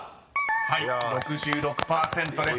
［はい「６６％」です］